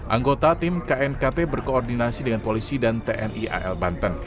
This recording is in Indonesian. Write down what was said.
anggota tim knkt berkoordinasi dengan polisi dan tni al banten